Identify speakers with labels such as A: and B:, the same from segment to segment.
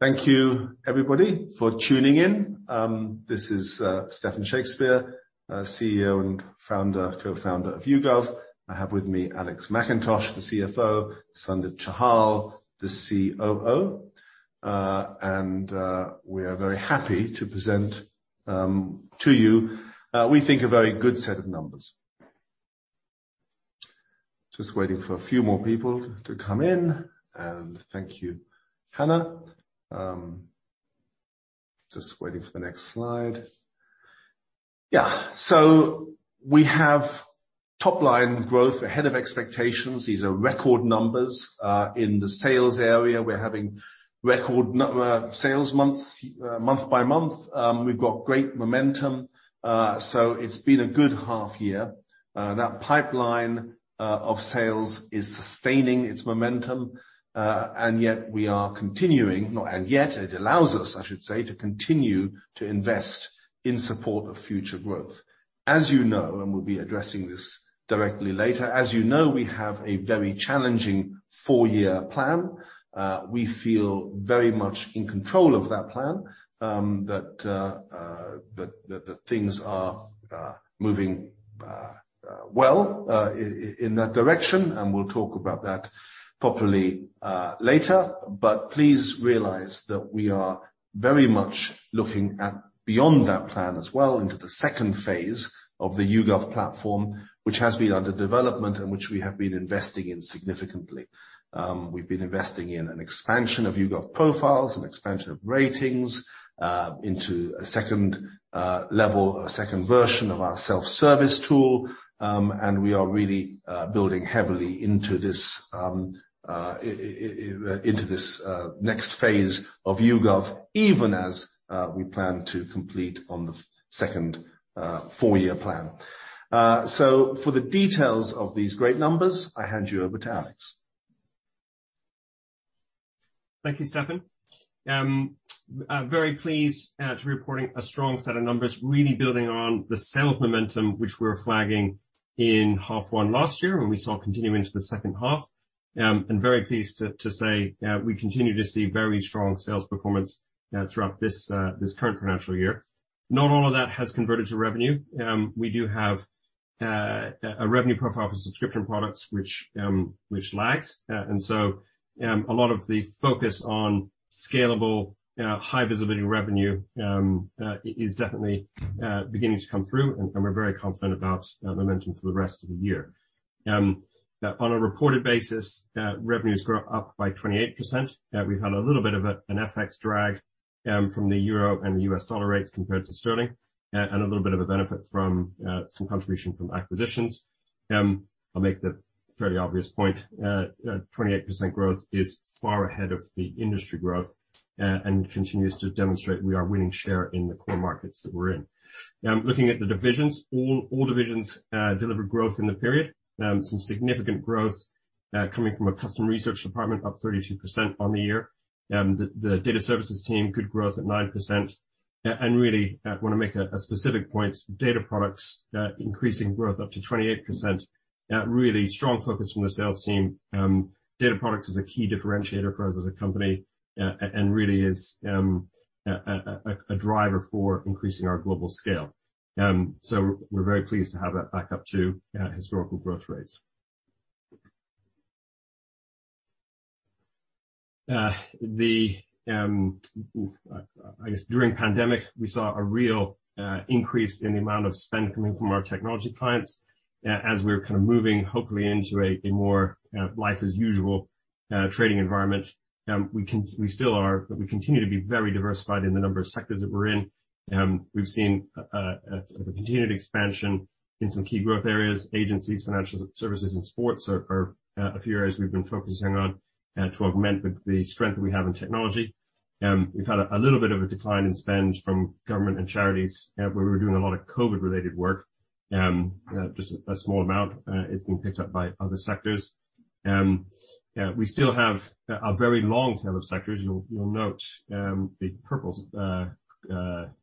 A: Thank you everybody for tuning in. This is Stephan Shakespeare, CEO and Co-Founder of YouGov. I have with me Alex McIntosh, the CFO, Sundip Chahal, the COO. We are very happy to present to you, we think a very good set of numbers. Just waiting for a few more people to come in. Thank you, Hannah. Just waiting for the next slide. Yeah. We have top-line growth ahead of expectations. These are record numbers. In the sales area, we're having record sales months, month by month. We've got great momentum. It's been a good half year. That pipeline of sales is sustaining its momentum. Yet it allows us, I should say, to continue to invest in support of future growth. As you know, we'll be addressing this directly later. As you know, we have a very challenging four-year plan. We feel very much in control of that plan, that things are moving well in that direction, and we'll talk about that properly later. Please realize that we are very much looking at beyond that plan as well into the second phase of the YouGov Platform, which has been under development and which we have been investing in significantly. We've been investing in an expansion of YouGov Profiles and expansion of Ratings into a second level, a second version of our self-service tool. We are really building heavily into this next phase of YouGov, even as we plan to complete on the second four-year plan. For the details of these great numbers, I hand you over to Alex.
B: Thank you, Stephan. Very pleased to be reporting a strong set of numbers, really building on the sales momentum which we're flagging in half one last year, and we saw continue into the second half. Very pleased to say that we continue to see very strong sales performance throughout this current financial year. Not all of that has converted to revenue. We do have a revenue profile for subscription products which lags. A lot of the focus on scalable, high visibility revenue is definitely beginning to come through, and we're very confident about momentum for the rest of the year. On a reported basis, revenues grew up by 28%. We've had a little bit of an FX drag from the Euro and the US dollar rates compared to sterling, and a little bit of a benefit from some contribution from acquisitions. I'll make the fairly obvious point. 28% growth is far ahead of the industry growth and continues to demonstrate we are winning share in the core markets that we're in. Looking at the divisions, all divisions delivered growth in the period. Some significant growth coming from a Custom Research department, up 32% on the year. The Data services team, good growth at 9%. Really wanna make a specific point. Data Products, increasing growth up to 28%. Really strong focus from the sales team. Data Products is a key differentiator for us as a company, and really is a driver for increasing our global scale. We're very pleased to have that back up to historical growth rates. I guess during pandemic, we saw a real increase in the amount of spend coming from our technology clients. As we're kind of moving hopefully into a more life as usual trading environment, we still are, but we continue to be very diversified in the number of sectors that we're in. We've seen the continued expansion in some key growth areas. Agencies, financial services and sports are a few areas we've been focusing on to augment the strength that we have in technology. We've had a little bit of a decline in spend from government and charities, where we were doing a lot of COVID-related work. Just a small amount is being picked up by other sectors. We still have a very long tail of sectors. You'll note the purple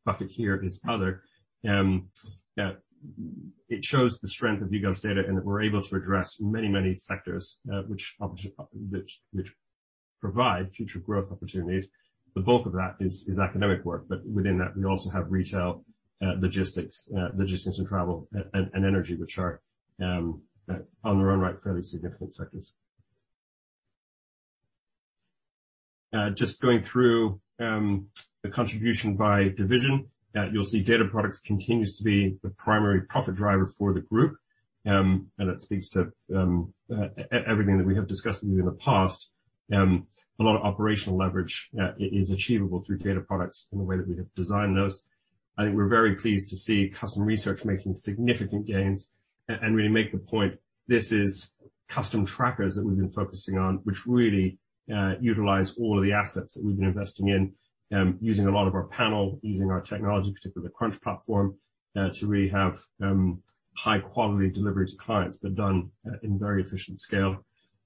B: bucket here is other. It shows the strength of YouGov's data, and that we're able to address many sectors, which provide future growth opportunities. The bulk of that is academic work, but within that, we also have retail, logistics and travel and energy, which are in their own right, fairly significant sectors. Just going through the contribution by division. You'll see Data Products continues to be the primary profit driver for the group. That speaks to everything that we have discussed with you in the past. A lot of operational leverage is achievable through Data Products in the way that we have designed those. I think we're very pleased to see Custom Research making significant gains and really make the point, this is Custom Trackers that we've been focusing on which really utilize all of the assets that we've been investing in, using a lot of our panel, using our technology, particularly the Crunch platform, to really have high quality delivery to clients, but done in very efficient scale.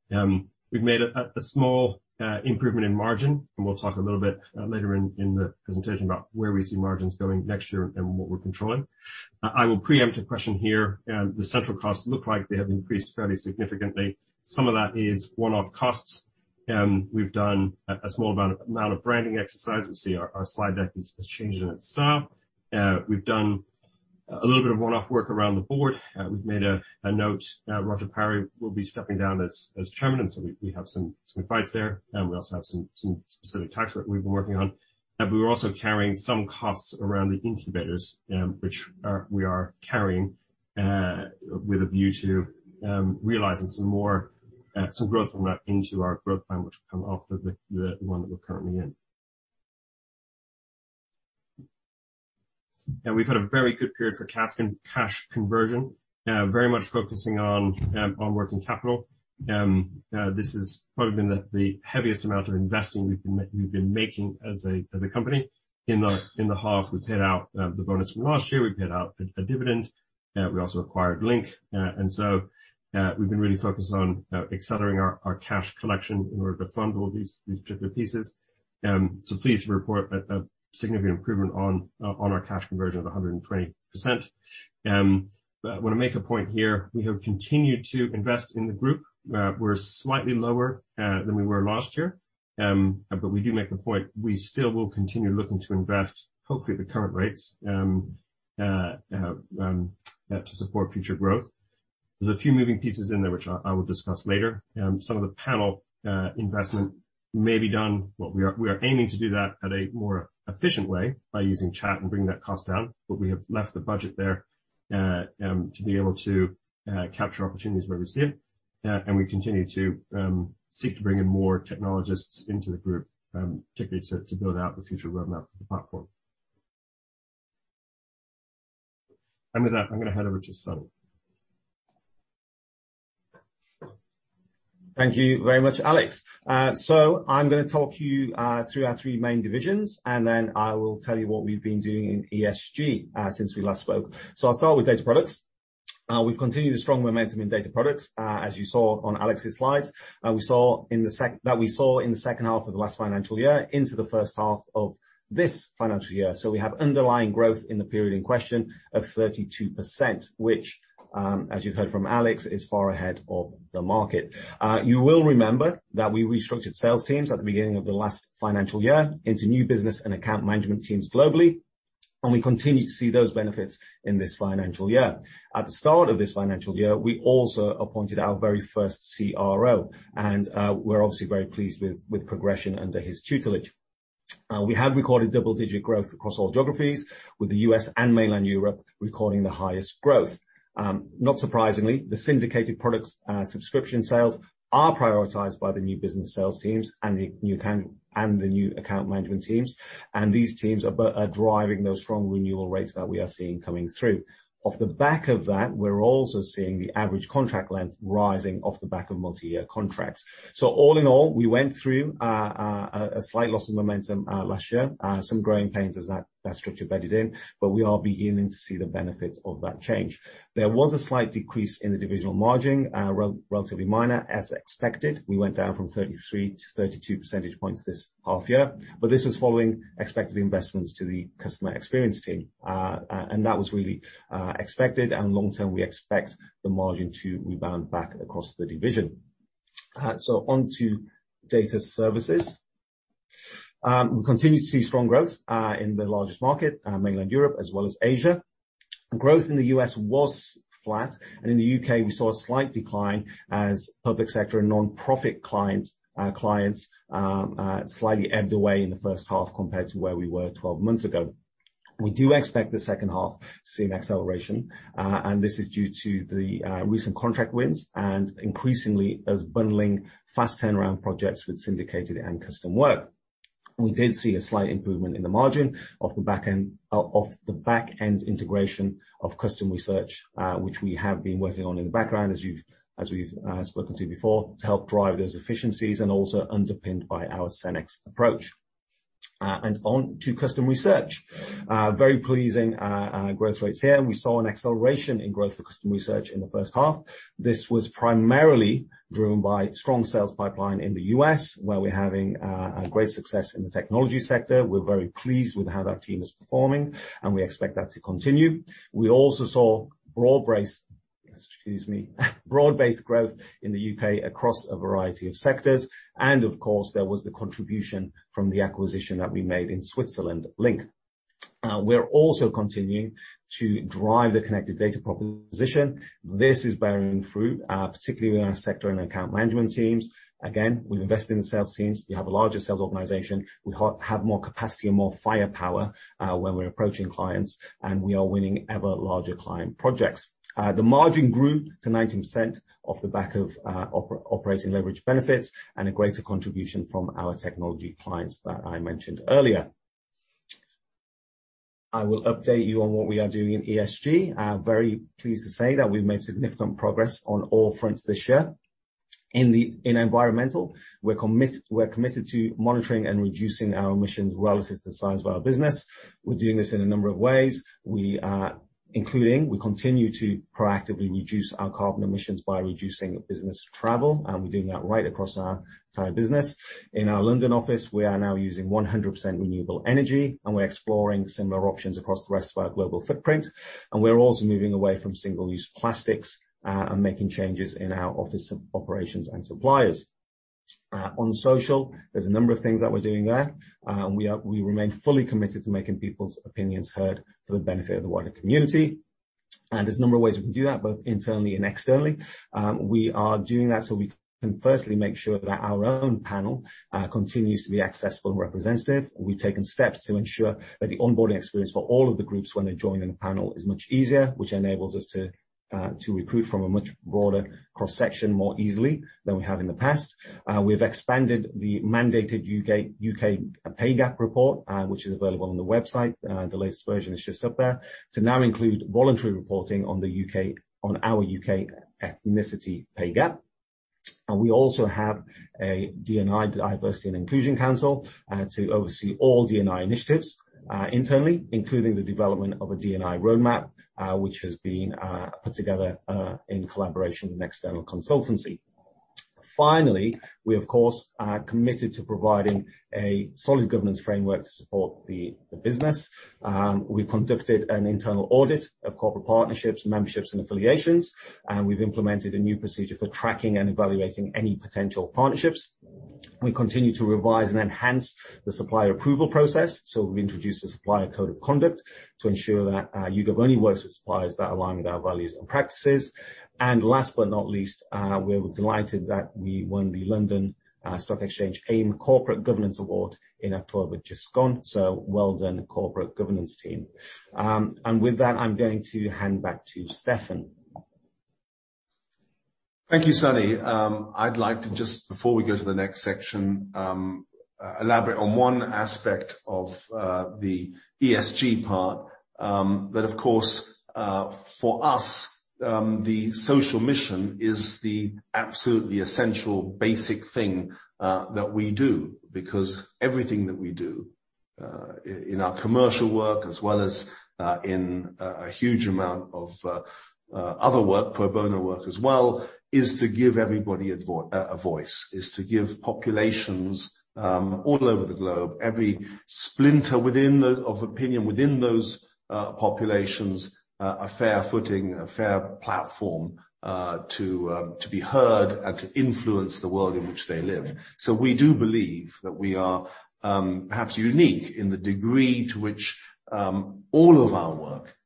B: We've made a small improvement in margin, and we'll talk a little bit later in the presentation about where we see margins going next year and what we're controlling. I will preempt a question here. The central costs look like they have increased fairly significantly. Some of that is one-off costs. We've done a small amount of branding exercises. You see our slide deck has changed in its style. We've done a little bit of one-off work around the board. We've made a note. Roger Parry will be stepping down as Chairman. We have some advice there, and we also have some specific tasks that we've been working on. We were also carrying some costs around the incubators, which we are carrying with a view to realizing some more growth from that into our growth plan, which will come after the one that we're currently in. We've had a very good period for cash conversion, very much focusing on working capital. This is probably the heaviest amount of investing we've been making as a company. In the half, we paid out the bonus from last year. We paid out a dividend. We also acquired LINK. We've been really focused on accelerating our cash collection in order to fund all these particular pieces. Pleased to report a significant improvement on our cash conversion of 100%. I wanna make a point here, we have continued to invest in the group. We're slightly lower than we were last year, but we do make a point. We still will continue looking to invest, hopefully at the current rates, to support future growth. There's a few moving pieces in there, which I will discuss later. Some of the panel investment may be done. We are aiming to do that at a more efficient way by using chat and bringing that cost down. We have left the budget there to be able to capture opportunities where we see it. We continue to seek to bring in more technologists into the group, particularly to build out the future roadmap for the platform. With that, I'm gonna hand over to Sundip.
C: Thank you very much, Alex. I'm gonna talk you through our three main divisions, and then I will tell you what we've been doing in ESG since we last spoke. I'll start with Data Products. We've continued the strong momentum in Data Products, as you saw on Alex's slides. We saw in the second half of the last financial year into the first half of this financial year. We have underlying growth in the period in question of 32%, which, as you heard from Alex, is far ahead of the market. You will remember that we restructured sales teams at the beginning of the last financial year into new business and account management teams globally, and we continue to see those benefits in this financial year. At the start of this financial year, we also appointed our very first CRO, and we're obviously very pleased with progression under his tutelage. We have recorded double-digit growth across all geographies, with the U.S. and mainland Europe recording the highest growth. Not surprisingly, the syndicated products subscription sales are prioritized by the new business sales teams and the new account management teams. These teams are driving those strong renewal rates that we are seeing coming through. Off the back of that, we're also seeing the average contract length rising off the back of multi-year contracts. All in all, we went through a slight loss of momentum last year. Some growing pains as that structure bedded in, but we are beginning to see the benefits of that change. There was a slight decrease in the divisional margin, relatively minor, as expected. We went down from 33 to 32 percentage points this half year, but this was following expected investments to the customer experience team. That was really expected, and long term, we expect the margin to rebound back across the division. On to Data Services. We continue to see strong growth in the largest market, mainland Europe as well as Asia. Growth in the U.S. was flat, and in the U.K. we saw a slight decline as public sector and nonprofit clients slightly ebbed away in the first half compared to where we were 12 months ago. We do expect the second half to see an acceleration, and this is due to the recent contract wins and increasingly as bundling fast turnaround projects with syndicated and Custom Research work. We did see a slight improvement in the margin of the back end integration of Custom Research, which we have been working on in the background, as we've spoken to you before, to help drive those efficiencies and also underpinned by our Centres of Excellence approach. On to Custom Research. Very pleasing growth rates here. We saw an acceleration in growth for Custom Research in the first half. This was primarily driven by strong sales pipeline in the U.S., where we're having a great success in the technology sector. We're very pleased with how that team is performing, and we expect that to continue. We also saw broad-based growth in the U.K. across a variety of sectors. Of course, there was the contribution from the acquisition that we made in Switzerland, LINK. We're also continuing to drive the connected data proposition. This is bearing fruit, particularly with our sector and account management teams. Again, we've invested in the sales teams. We have a larger sales organization. We have more capacity and more firepower when we're approaching clients, and we are winning ever larger client projects. The margin grew to 19% off the back of operating leverage benefits and a greater contribution from our technology clients that I mentioned earlier. I will update you on what we are doing in ESG. I'm very pleased to say that we've made significant progress on all fronts this year. In environmental, we're committed to monitoring and reducing our emissions relative to the size of our business. We're doing this in a number of ways, including we continue to proactively reduce our carbon emissions by reducing business travel, and we're doing that right across our entire business. In our London office, we are now using 100% renewable energy, and we're exploring similar options across the rest of our global footprint. We're also moving away from single-use plastics and making changes in our office operations and suppliers. On social, there's a number of things that we're doing there. We remain fully committed to making people's opinions heard for the benefit of the wider community. There's a number of ways we can do that, both internally and externally. We are doing that so we can firstly make sure that our own panel continues to be accessible and representative. We've taken steps to ensure that the onboarding experience for all of the groups when they join in a panel is much easier, which enables us to recruit from a much broader cross-section more easily than we have in the past. We've expanded the mandated U.K. pay gap report, which is available on the website. The latest version is just up there to now include voluntary reporting on our U.K. ethnicity pay gap. We also have a D&I, Diversity and Inclusion Council to oversee all D&I initiatives internally, including the development of a D&I roadmap, which has been put together in collaboration with an external consultancy. Finally, we of course are committed to providing a solid governance framework to support the business. We conducted an internal audit of corporate partnerships, memberships and affiliations, and we've implemented a new procedure for tracking and evaluating any potential partnerships. We continue to revise and enhance the supplier approval process. We've introduced a supplier code of conduct to ensure that YouGov only works with suppliers that align with our values and practices. Last but not least, we're delighted that we won the London Stock Exchange AIM Corporate Governance Award in October just gone. Well done, Corporate Governance team. With that, I'm going to hand back to Stephan.
A: Thank you, Sundip. I'd like to, just before we go to the next section, elaborate on one aspect of the ESG part. Of course, for us, the social mission is the absolutely essential basic thing that we do. Because everything that we do in our commercial work, as well as in a huge amount of other work, pro bono work as well, is to give everybody a voice. Is to give populations all over the globe, every splinter of opinion within those populations, a fair footing, a fair platform to be heard and to influence the world in which they live. We do believe that we are perhaps unique in the degree to which all of our work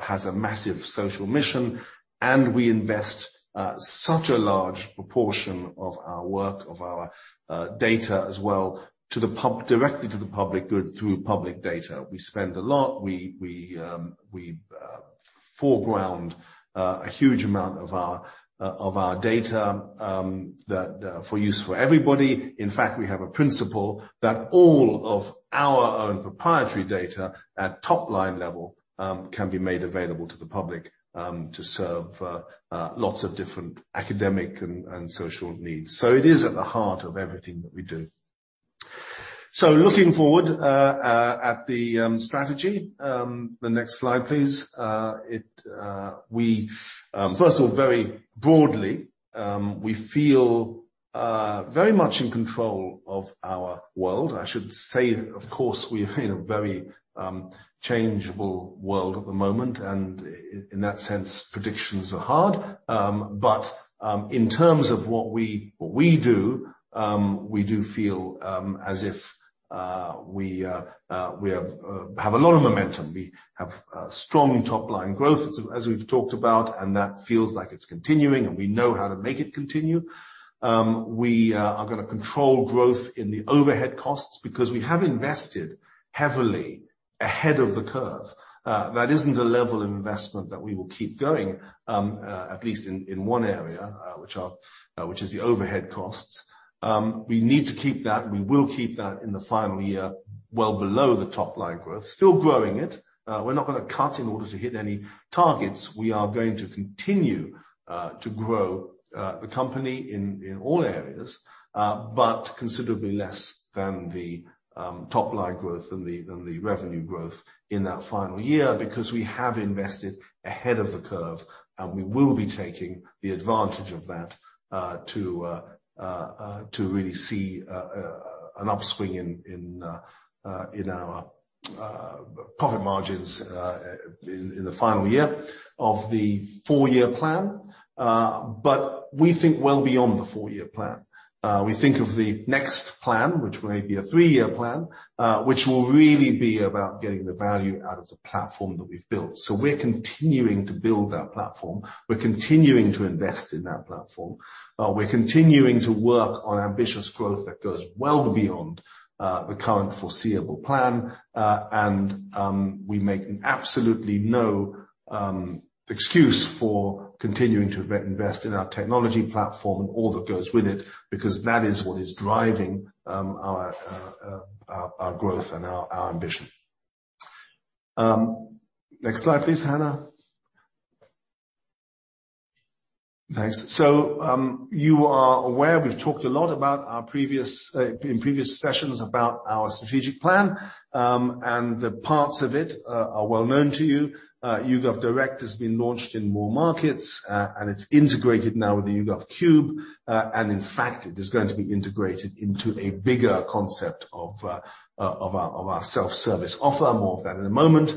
A: has a massive social mission, and we invest such a large proportion of our work, of our data as well, directly to the public good through public data. We spend a lot, we foreground a huge amount of our data for use by everybody. In fact, we have a principle that all of our own proprietary data at top-line level can be made available to the public to serve lots of different academic and social needs. It is at the heart of everything that we do. Looking forward to the strategy, the next slide, please. First of all, very broadly, we feel very much in control of our world. I should say, of course, we're in a very changeable world at the moment, and in that sense, predictions are hard. In terms of what we do, we do feel as if we have a lot of momentum. We have strong top-line growth as we've talked about, and that feels like it's continuing and we know how to make it continue. We are gonna control growth in the overhead costs because we have invested heavily ahead of the curve. That isn't a level of investment that we will keep going at least in one area, which is the overhead costs. We need to keep that and we will keep that in the final year well below the top-line growth. Still growing it. We're not gonna cut in order to hit any targets. We are going to continue to grow the company in all areas, but considerably less than the top-line growth and the revenue growth in that final year because we have invested ahead of the curve and we will be taking the advantage of that to really see an upswing in our profit margins in the final year of the four-year plan. We think well beyond the four-year plan. We think of the next plan, which may be a three-year plan, which will really be about getting the value out of the platform that we've built. We're continuing to build that platform. We're continuing to invest in that platform. We're continuing to work on ambitious growth that goes well beyond the current foreseeable plan. We make absolutely no excuse for continuing to invest in our technology platform and all that goes with it, because that is what is driving our growth and our ambition. Next slide, please, Hannah. Thanks. You are aware we've talked a lot about our previous in previous sessions about our strategic plan, and the parts of it are well known to you. YouGov Direct has been launched in more markets, and it's integrated now with the YouGov Cube. In fact, it is going to be integrated into a bigger concept of our self-service offer. More of that in a moment.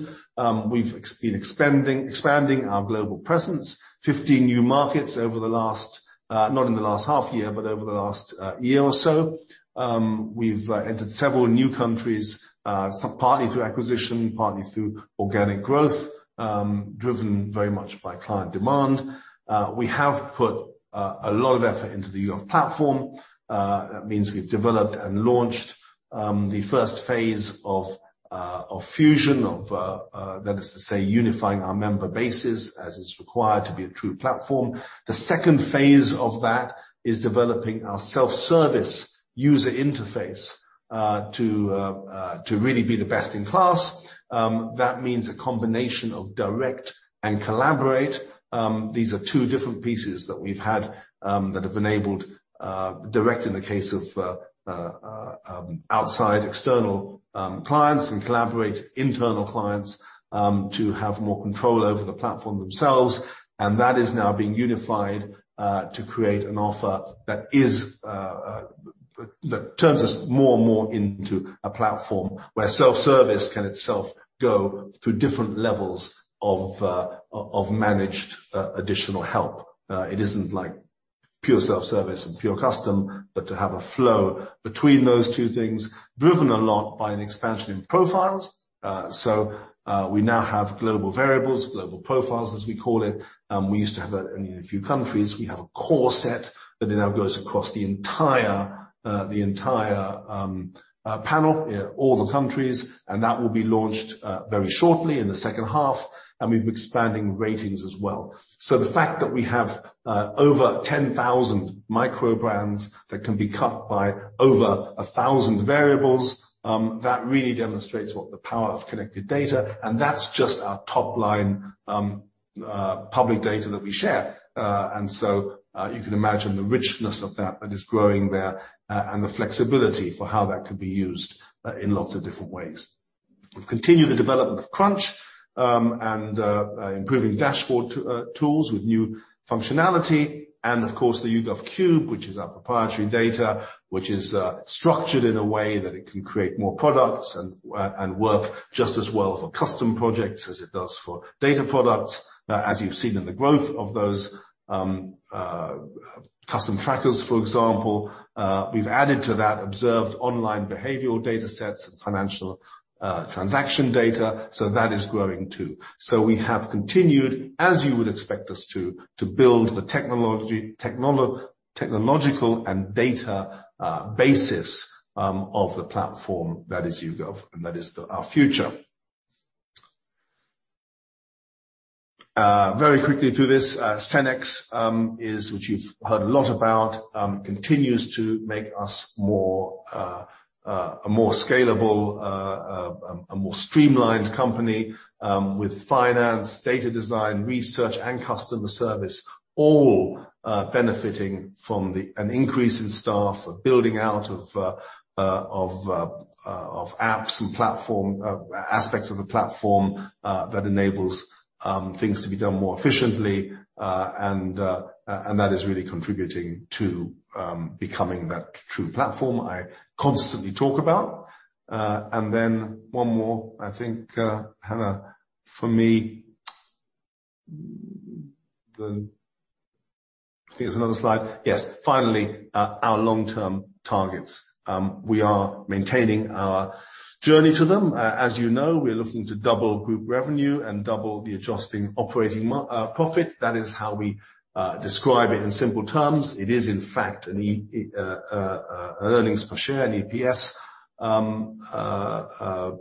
A: We've been expanding our global presence, 15 new markets over the last, not in the last half year, but over the last year or so. We've entered several new countries, some partly through acquisition, partly through organic growth, driven very much by client demand. We have put a lot of effort into the YouGov platform. That means we've developed and launched the first phase of Fusion, that is to say, unifying our member bases as is required to be a true platform. The second phase of that is developing our self-service user interface to really be the best in class. That means a combination of Direct and Collaborate. These are two different pieces that we've had that have enabled Direct in the case of external clients and Collaborate internal clients to have more control over the platform themselves. That is now being unified to create an offer that turns us more and more into a platform where self-service can itself go through different levels of managed additional help. It isn't like pure self-service and pure Custom, but to have a flow between those two things, driven a lot by an expansion in Profiles. We now have global variables, global Profiles, as we call it. We used to have that in only a few countries. We have a core set that now goes across the entire panel. Yeah, all the countries. That will be launched very shortly in the second half, and we've been expanding Ratings as well. The fact that we have over 10,000 micro brands that can be cut by over 1,000 variables really demonstrates what the power of connected data. That's just our top line public data that we share. You can imagine the richness of that is growing there, and the flexibility for how that could be used in lots of different ways. We've continued the development of Crunch, and improving dashboard tools with new functionality. Of course, the YouGov Cube, which is our proprietary data, which is structured in a way that it can create more products and work just as well for custom projects as it does for data products. As you've seen in the growth of those Custom Trackers, for example, we've added to that observed online behavioral datasets and financial transaction data. That is growing too. We have continued, as you would expect us to build the technological and data basis of the platform that is YouGov, and that is our future. Very quickly through this, Centres of Excellence, which you've heard a lot about, continues to make us more scalable, more streamlined company, with finance, data design, research, and customer service all benefiting from an increase in staff, building out of apps and platform aspects of the platform that enables things to be done more efficiently. That is really contributing to becoming that true platform I constantly talk about. Then one more, I think, Hannah, for me, I think there's another slide. Yes. Finally, our long-term targets. We are maintaining our journey to them. As you know, we're looking to double group revenue and double the adjusting operating profit. That is how we describe it in simple terms. It is in fact an earnings per share, an EPS,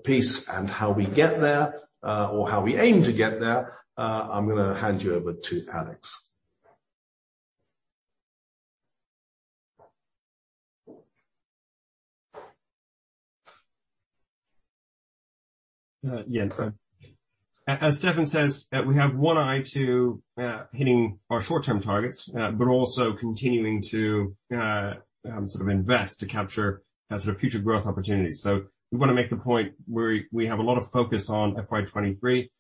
A: piece and how we get there, or how we aim to get there. I'm gonna hand you over to Alex.
B: As Stephan says, we have one eye to hitting our short-term targets, but also continuing to sort of invest to capture sort of future growth opportunities. We wanna make the point, we have a lot of focus on FY 2023,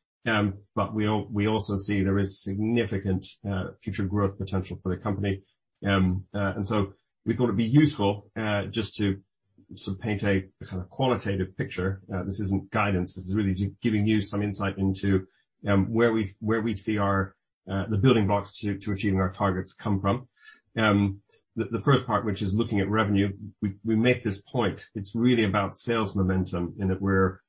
B: but we also see there is significant future growth potential for the company. We thought it'd be useful just to sort of paint a kind of qualitative picture. This isn't guidance. This is really giving you some insight into where we see our the building blocks to achieving our targets come from. The first part, which is looking at revenue, we make this point, it's really about sales momentum in that we're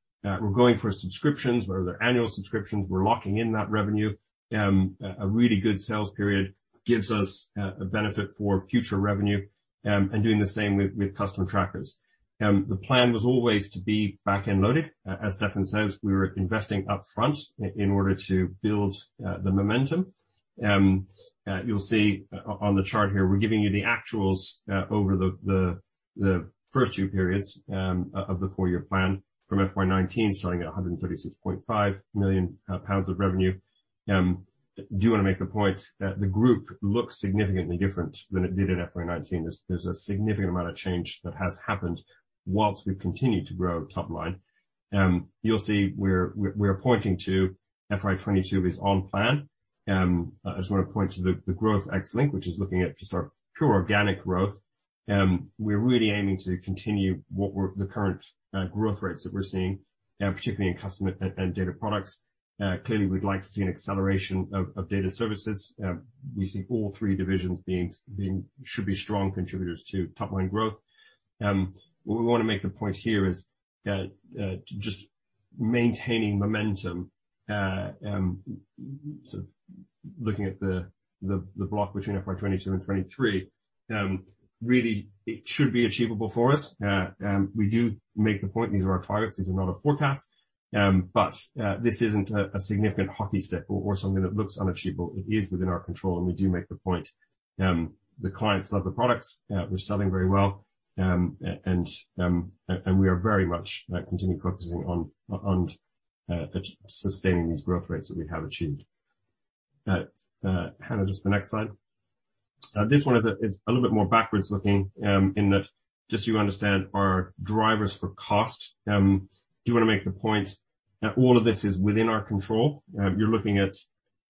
B: going for subscriptions where they're annual subscriptions. We're locking in that revenue. A really good sales period gives us a benefit for future revenue, and doing the same with Custom Trackers. The plan was always to be back-end loaded. As Stephan says, we were investing up front in order to build the momentum. You'll see on the chart here, we're giving you the actuals over the first two periods of the four-year plan from FY 2019, starting at 136.5 million pounds of revenue. I do wanna make the point that the group looks significantly different than it did in FY 2019. There's a significant amount of change that has happened while we've continued to grow top line. You'll see we're pointing to FY 2022 is on plan. I just wanna point to the growth ex-Link, which is looking at just our pure organic growth. We're really aiming to continue the current growth rates that we're seeing, particularly in customer and data products. Clearly, we'd like to see an acceleration of data services. We see all three divisions should be strong contributors to top line growth. What we wanna make the point here is that just maintaining momentum, sort of looking at the block between FY 2022 and 2023, really it should be achievable for us. We do make the point, these are our targets. These are not a forecast. This isn't a significant hockey stick or something that looks unachievable. It is within our control, and we do make the point. The clients love the products. We're selling very well. We are very much continuing focusing on sustaining these growth rates that we have achieved. Hannah, just the next slide. This one is a little bit more backwards looking in that just so you understand our drivers for cost. Do wanna make the point that all of this is within our control. You're looking at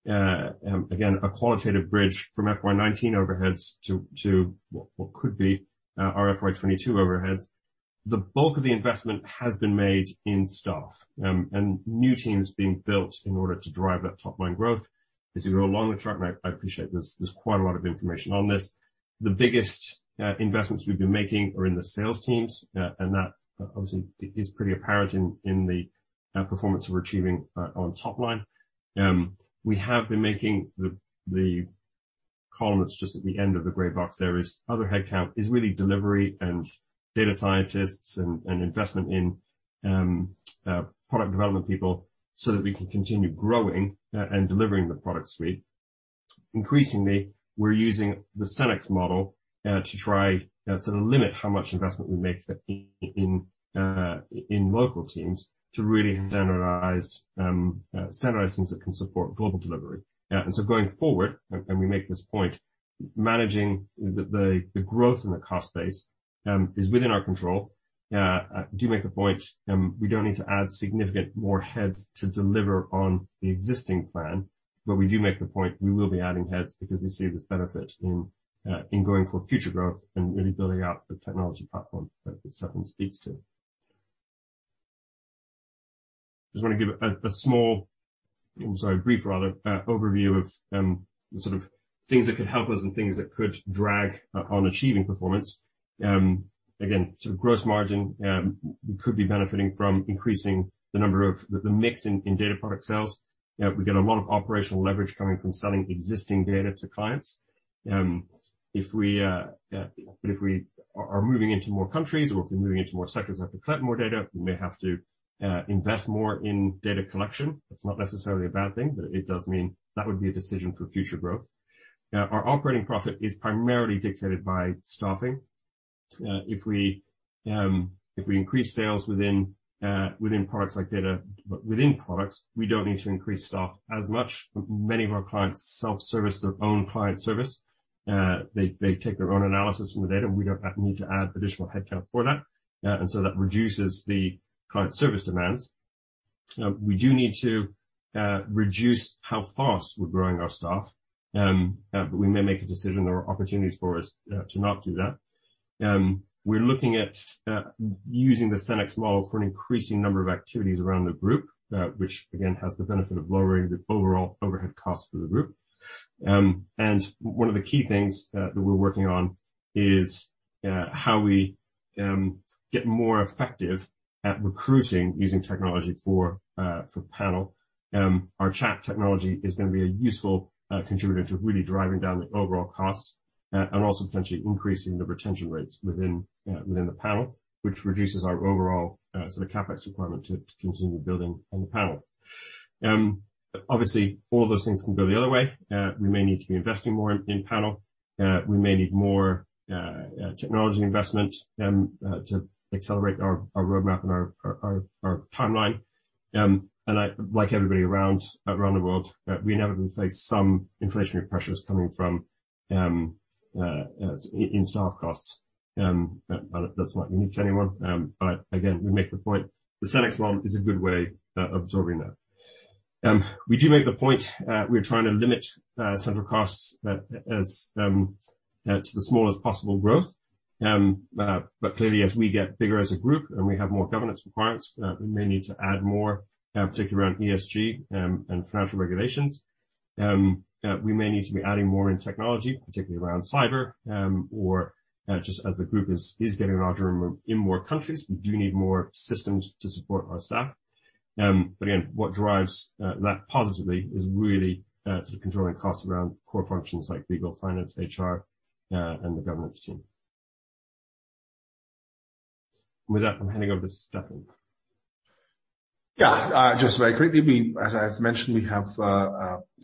B: again a qualitative bridge from FY 2019 overheads to what could be our FY 2022 overheads. The bulk of the investment has been made in staff and new teams being built in order to drive that top line growth. As we go along the chart, I appreciate this, there's quite a lot of information on this. The biggest investments we've been making are in the sales teams. That obviously is pretty apparent in the performance we're achieving on top line. We have been making the column that's just at the end of the gray box there is other headcount is really delivery and data scientists and investment in product development people so that we can continue growing and delivering the product suite. Increasingly, we're using the Centres of Excellence model to try sort of limit how much investment we make in local teams to really generalize centralize teams that can support global delivery. Going forward, we make this point, managing the growth in the cost base is within our control. We do make the point, we don't need to add significant more heads to deliver on the existing plan. We do make the point, we will be adding heads because we see there's benefit in going for future growth and really building out the technology platform that Stephan speaks to. Just wanna give a brief overview of sort of things that could help us and things that could drag on achieving performance. Again, sort of gross margin could be benefiting from increasing the number of the mix in data product sales. We get a lot of operational leverage coming from selling existing data to clients. If we are moving into more countries or if we're moving into more sectors, we have to collect more data, we may have to invest more in data collection. That's not necessarily a bad thing, but it does mean that would be a decision for future growth. Our operating profit is primarily dictated by staffing. If we increase sales within products, we don't need to increase staff as much. Many of our clients self-serve their own client service. They take their own analysis from the data, and we don't need to add additional headcount for that. That reduces the client service demands. We do need to reduce how fast we're growing our staff. We may make a decision. There are opportunities for us to not do that. We're looking at using the Centres of Excellence model for an increasing number of activities around the group, which again has the benefit of lowering the overall overhead cost for the group. One of the key things that we're working on is how we get more effective at recruiting using technology for panel. Our chat technology is gonna be a useful contributor to really driving down the overall cost and also potentially increasing the retention rates within the panel, which reduces our overall sort of CapEx requirement to continue building on the panel. Obviously all those things can go the other way. We may need to be investing more in panel. We may need more technology investment to accelerate our roadmap and our timeline. Like everybody around the world, we inevitably face some inflationary pressures coming from staff costs. That's not unique to anyone. Again, we make the point, the Cenex model is a good way of absorbing that. We do make the point, we are trying to limit central costs to the smallest possible growth. Clearly, as we get bigger as a group and we have more governance requirements, we may need to add more, particularly around ESG and financial regulations. We may need to be adding more in technology, particularly around cyber, or just as the group is getting larger in more countries, we do need more systems to support our staff. Again, what drives that positively is really sort of controlling costs around core functions like legal, finance, HR, and the governance team. With that, I'm handing over to Stephan.
A: Just very quickly, as I've mentioned, we have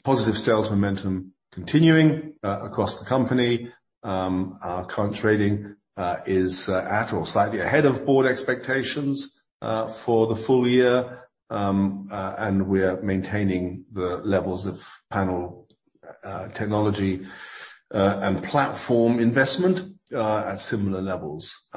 A: positive sales momentum continuing across the company. Our current trading is at or slightly ahead of board expectations for the full year. We're maintaining the levels of technology and platform investment at similar levels.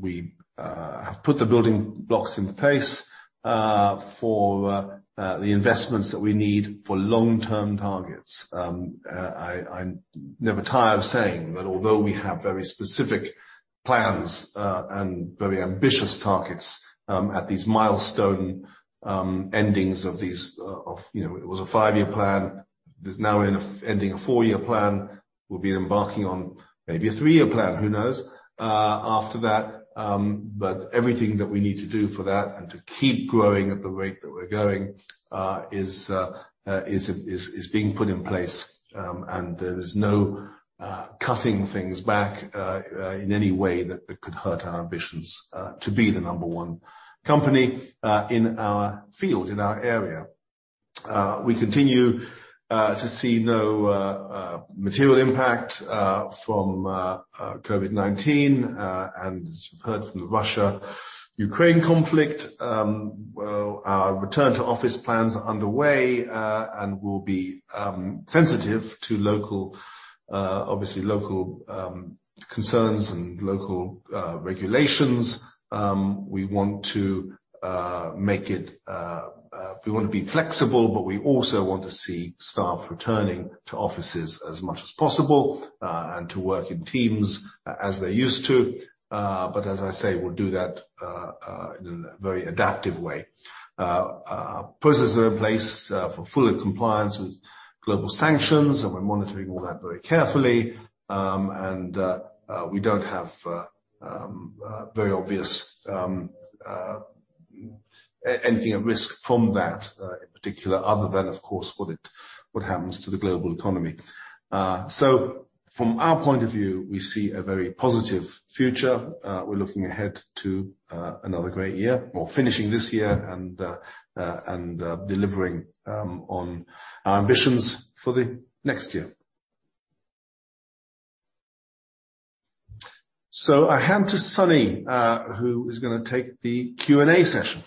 A: We have put the building blocks in place for the investments that we need for long-term targets. I never tire of saying that although we have very specific plans and very ambitious targets, at these milestone endings of these. You know, it was a five-year plan. There's now an ending, a four-year plan. We'll be embarking on maybe a three-year plan, who knows, after that. Everything that we need to do for that and to keep growing at the rate that we're going is being put in place. There's no cutting things back in any way that could hurt our ambitions to be the number one company in our field, in our area. We continue to see no material impact from COVID-19 and as you've heard from the Russia-Ukraine conflict. Our return to office plans are underway and will be sensitive to local, obviously local concerns and local regulations. We wanna be flexible, but we also want to see staff returning to offices as much as possible, and to work in teams as they used to. As I say, we'll do that in a very adaptive way. Processes are in place for full compliance with global sanctions, and we're monitoring all that very carefully. We don't have very obvious anything at risk from that in particular, other than, of course, what happens to the global economy. From our point of view, we see a very positive future. We're looking ahead to another great year or finishing this year and delivering on our ambitions for the next year. I hand to Sundip, who is gonna take the Q&A session.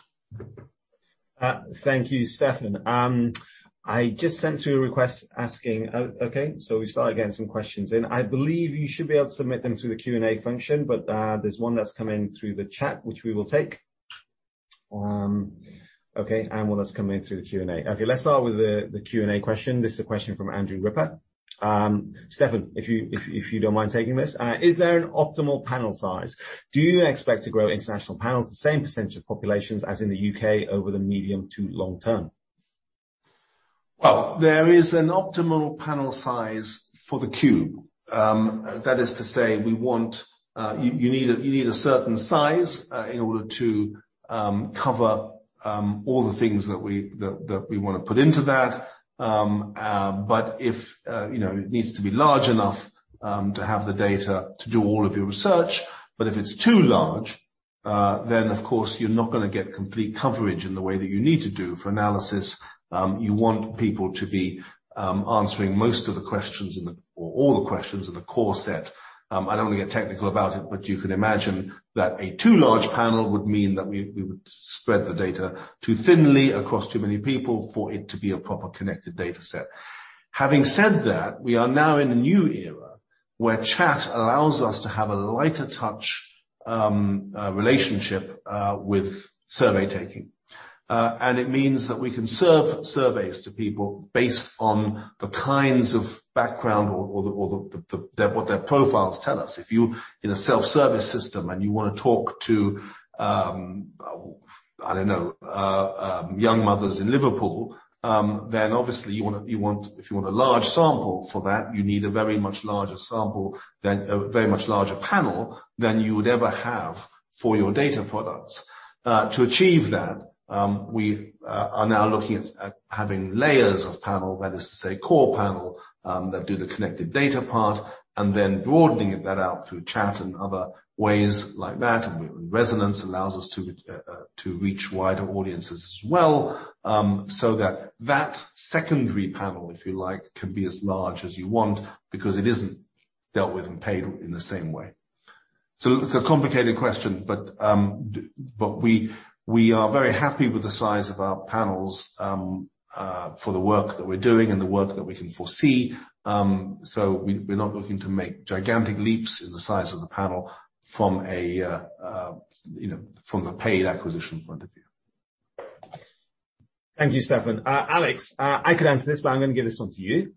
C: Thank you, Stephan. Okay, so we've started getting some questions in. I believe you should be able to submit them through the Q&A function, but there's one that's come in through the chat, which we will take. Okay. One that's come in through the Q&A. Okay, let's start with the Q&A question. This is a question from Andrew Ripper. Stephan, if you don't mind taking this. Is there an optimal panel size? Do you expect to grow international panels the same percentage of populations as in the U.K. over the medium to long term?
A: Well, there is an optimal panel size for the Cube. That is to say, you need a certain size in order to cover all the things that we wanna put into that. If you know, it needs to be large enough to have the data to do all of your research. If it's too large, then of course you're not gonna get complete coverage in the way that you need to do for analysis. You want people to be answering most of the questions or all the questions in the core set. I don't want to get technical about it, but you can imagine that a too large panel would mean that we would spread the data too thinly across too many people for it to be a proper connected data set. Having said that, we are now in a new era where chat allows us to have a lighter touch relationship with survey taking. It means that we can serve surveys to people based on the kinds of background or what their profiles tell us. If you in a self-serve system and you wanna talk to young mothers in Liverpool, then obviously, if you want a large sample for that, you need a very much larger sample than very much larger panel than you would ever have for your data products. To achieve that, we are now looking at having layers of panel. That is to say, core panel that do the connected data part, and then broadening that out through chat and other ways like that. Rezonence allows us to reach wider audiences as well. That secondary panel, if you like, can be as large as you want because it isn't dealt with and paid in the same way. It's a complicated question, but we are very happy with the size of our panels for the work that we're doing and the work that we can foresee. We're not looking to make gigantic leaps in the size of the panel, you know, from the paid acquisition point of view.
C: Thank you, Stephan. Alex, I could answer this, but I'm gonna give this one to you.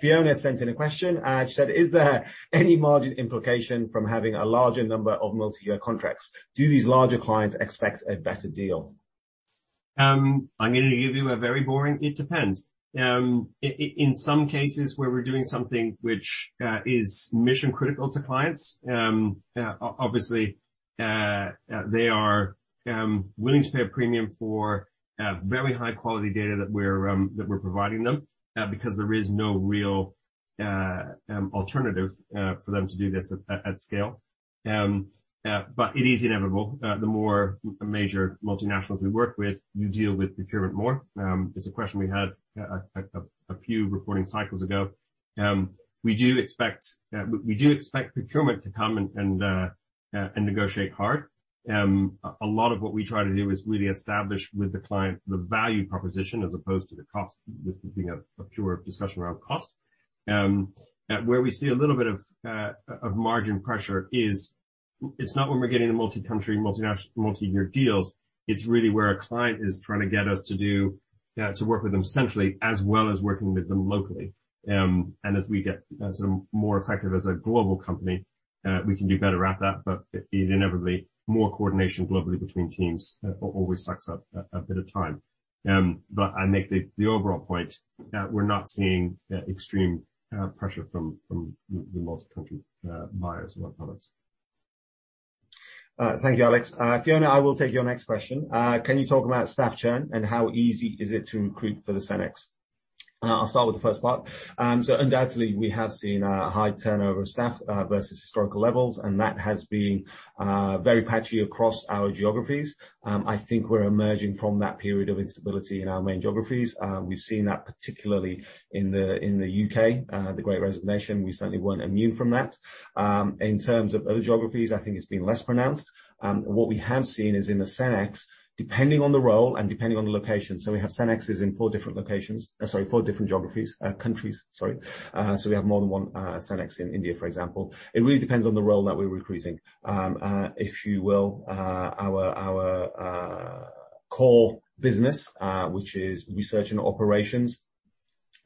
C: Fiona sent in a question. She said, "Is there any margin implication from having a larger number of multi-year contracts? Do these larger clients expect a better deal?
B: I'm gonna give you a very boring, it depends. In some cases where we're doing something which is mission critical to clients, obviously, they are willing to pay a premium for very high quality data that we're providing them because there is no real alternative for them to do this at scale. It is inevitable. The more major multinationals we work with, you deal with procurement more. It's a question we had a few reporting cycles ago. We do expect procurement to come and negotiate hard. A lot of what we try to do is really establish with the client the value proposition as opposed to the cost, this being a pure discussion around cost. Where we see a little bit of margin pressure is it's not when we're getting the multi-country, multinational, multi-year deals, it's really where a client is trying to get us to do to work with them centrally as well as working with them locally. As we get sort of more effective as a global company, we can do better at that. Inevitably, more coordination globally between teams always sucks up a bit of time. I make the overall point that we're not seeing extreme pressure from the multi-country buyers of our products.
C: Thank you, Alex. Fiona, I will take your next question. Can you talk about staff churn and how easy is it to recruit for the Centres of Excellence? I'll start with the first part. Undoubtedly we have seen a high turnover of staff versus historical levels, and that has been very patchy across our geographies. I think we're emerging from that period of instability in our main geographies. We've seen that particularly in the U.K., the Great Resignation. We certainly weren't immune from that. In terms of other geographies, I think it's been less pronounced. What we have seen is in the Centres of Excellence, depending on the role and depending on the location. We have Centres of Excellence in four different countries. We have more than one Centres of Excellence in India, for example. It really depends on the role that we're recruiting. If you will, our core business, which is research and operations,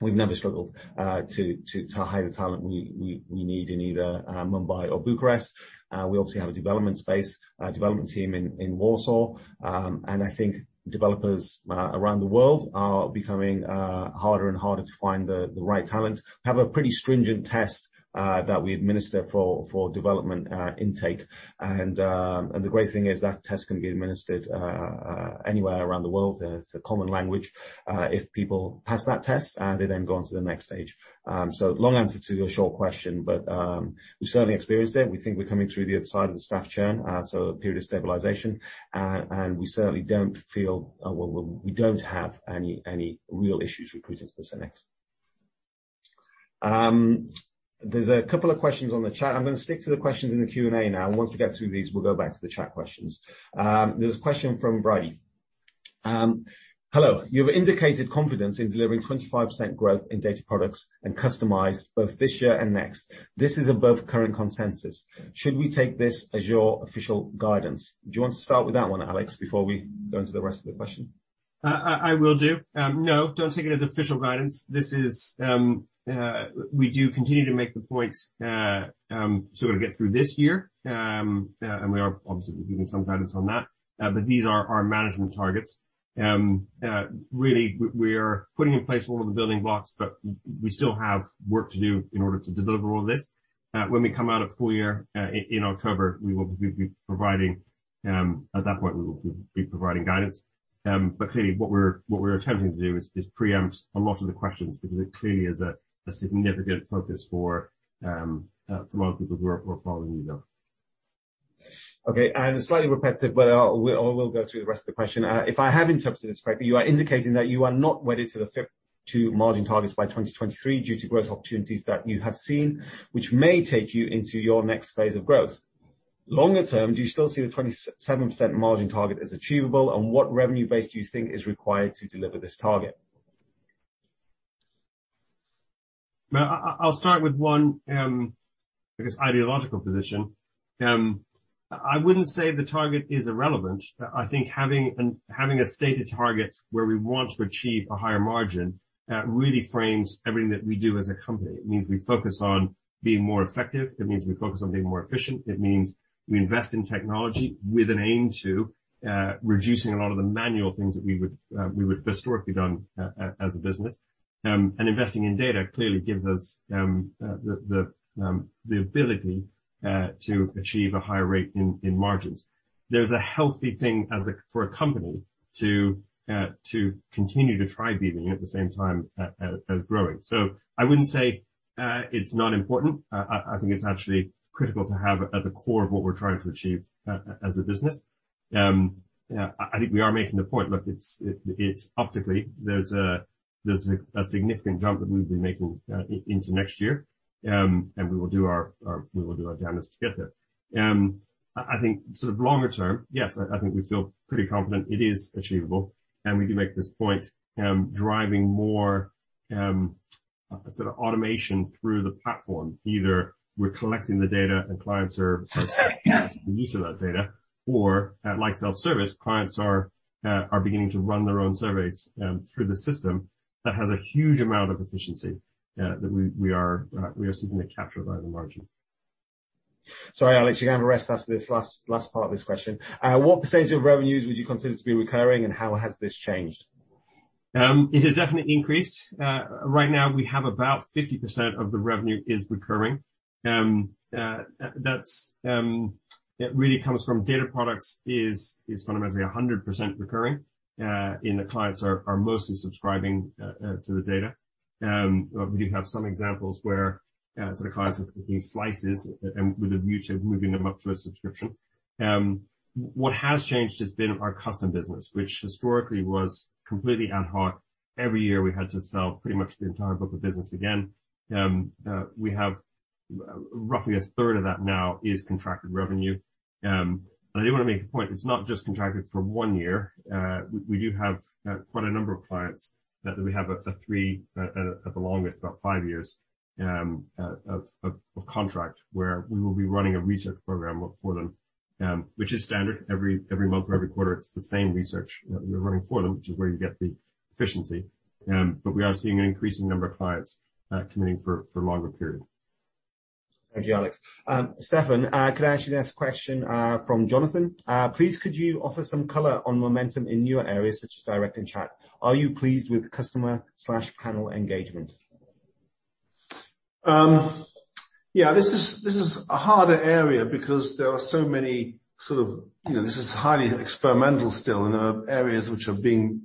C: we've never struggled to hire the talent we need in either Mumbai or Bucharest. We obviously have a development team in Warsaw. I think developers around the world are becoming harder and harder to find the right talent. We have a pretty stringent test that we administer for development intake. The great thing is that test can be administered anywhere around the world. It's a common language. If people pass that test, they then go on to the next stage. Long answer to your short question, but we certainly experienced it. We think we're coming through the other side of the staff churn, a period of stabilization. We certainly don't feel, well, we don't have any real issues recruiting for Centers of Excellence. There's a couple of questions on the chat. I'm gonna stick to the questions in the Q&A now, and once we get through these, we'll go back to the chat questions. There's a question from Brady. Hello. You've indicated confidence in delivering 25% growth in Data Products and Custom both this year and next. This is above current consensus. Should we take this as your official guidance? Do you want to start with that one, Alex, before we go into the rest of the question?
B: I will do. No, don't take it as official guidance. We do continue to make the points sort of get through this year. We are obviously giving some guidance on that. These are our management targets. Really, we are putting in place a lot of the building blocks, but we still have work to do in order to deliver all this. When we come out at full year in October, we will be providing, at that point, we will be providing guidance. Clearly what we're attempting to do is preempt a lot of the questions because it clearly is a significant focus for a lot of people who are following me, though.
C: Okay, slightly repetitive, but I'll go through the rest of the question. If I have interpreted this correctly, you are indicating that you are not wedded to the 50% margin targets by 2023 due to growth opportunities that you have seen, which may take you into your next phase of growth. Longer term, do you still see the 27% margin target as achievable? And what revenue base do you think is required to deliver this target?
B: Well, I'll start with one, I guess, ideological position. I wouldn't say the target is irrelevant. I think having a stated target where we want to achieve a higher margin really frames everything that we do as a company. It means we focus on being more effective. It means we focus on being more efficient. It means we invest in technology with an aim to reducing a lot of the manual things that we would historically done as a business. Investing in data clearly gives us the ability to achieve a higher rate in margins. There's a healthy thing for a company to continue to try beating at the same time as growing. I wouldn't say it's not important. I think it's actually critical to have at the core of what we're trying to achieve as a business. I think we are making the point. Look, it's optically there's a significant jump that we'll be making into next year, and we will do our damnedest to get there. I think sort of longer term, yes, I think we feel pretty confident it is achievable, and we do make this point, driving more sort of automation through the platform. Either we're collecting the data and clients are using that data or like self-serve, clients are beginning to run their own surveys through the system. That has a huge amount of efficiency that we are seeking to capture by the margin.
C: Sorry, Alex, you're gonna have to race after this last part of this question. What percentage of revenues would you consider to be recurring, and how has this changed?
B: It has definitely increased. Right now we have about 50% of the revenue is recurring. That's it really comes from Data Products is fundamentally 100% recurring, and the clients are mostly subscribing to the data. We do have some examples where sort of clients are taking slices and with a view to moving them up to a subscription. What has changed has been our custom business, which historically was completely ad hoc. Every year, we had to sell pretty much the entire book of business again. We have roughly 1/3 of that now is contracted revenue. I do wanna make a point, it's not just contracted for one year. We do have quite a number of clients that we have a three at the longest about five years of contract, where we will be running a research program for them, which is standard. Every month or every quarter, it's the same research that we're running for them, which is where you get the efficiency. We are seeing an increasing number of clients committing for longer periods.
C: Thank you, Alex. Stephan, could I ask you the next question from Jonathan? Please, could you offer some color on momentum in newer areas such as direct and chat? Are you pleased with customer/panel engagement?
A: Yeah, this is a harder area because there are so many sort of you know, this is highly experimental still, and there are areas which are being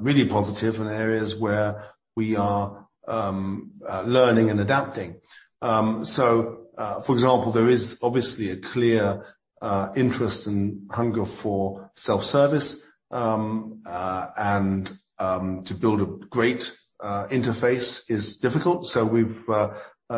A: really positive and areas where we are learning and adapting. For example, there is obviously a clear interest and hunger for self-serve. To build a great interface is difficult. We've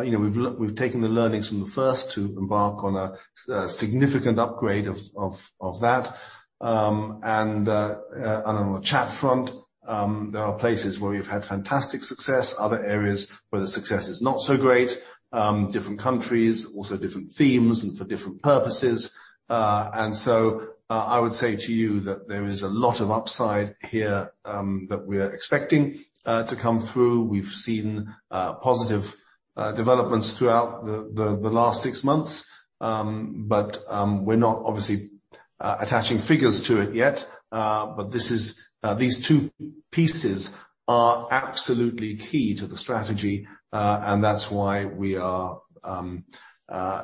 A: you know taken the learnings from the first to embark on a significant upgrade of that. On the chat front, there are places where we've had fantastic success, other areas where the success is not so great, different countries, also different themes and for different purposes. I would say to you that there is a lot of upside here that we're expecting to come through. We've seen positive developments throughout the last six months. We're not obviously attaching figures to it yet. These two pieces are absolutely key to the strategy. That's why